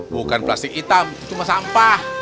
bukan plastik hitam cuma sampah